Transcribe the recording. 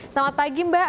selamat pagi mbak